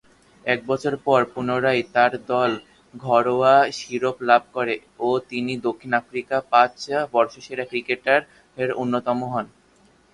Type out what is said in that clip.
এক বছর পর, পুনরায় তার দল ঘরোয়া শিরোপা লাভ করে ও তিনি দক্ষিণ আফ্রিকার পাঁচ বর্ষসেরা ক্রিকেটারের অন্যতম হন।